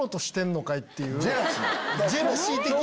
ジェラシー的な。